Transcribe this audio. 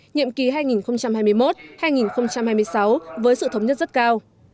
nhiệm kỳ hai nghìn hai mươi một hai nghìn hai mươi sáu với sự thống nhất rất cao